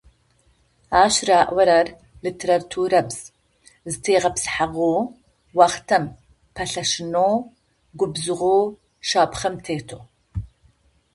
Ащ раӏорэр - литературабз: зэтегъэпсыхьагъэу, уахътэм пэлъэшынэу, губзыгъэу, шапхъэм тетэу.